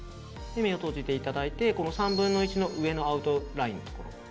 目を閉じていただいて３分の１のアウトラインのところ。